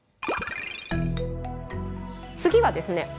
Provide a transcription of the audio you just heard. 次はですね